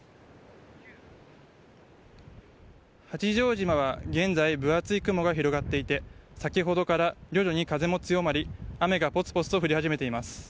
八丈島は現在分厚い雲が広がっていて先ほどから徐々に風も強まり雨がぽつぽつと降り始めています。